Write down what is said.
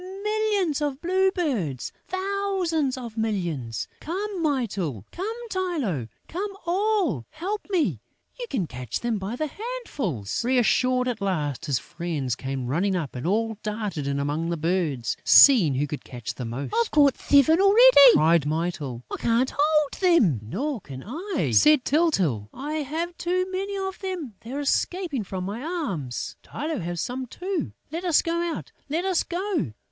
Millions of blue birds!... Thousands of millions!... Come, Mytyl!... Come, Tylô!... Come, all!... Help me!... You can catch them by handfuls!..." Reassured at last, his friends came running up and all darted in among the birds, seeing who could catch the most: "I've caught seven already!" cried Mytyl. "I can't hold them!" "Nor can I!" said Tyltyl. "I have too many of them!... They're escaping from my arms!... Tylô has some too!... Let us go out, let us go!...